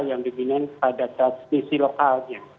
yang dominan pada transmisi lokal